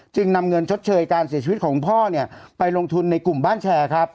นำเงินชดเชยการเสียชีวิตของพ่อเนี่ยไปลงทุนในกลุ่มบ้านแชร์ครับ